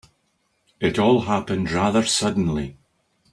It all happened rather suddenly.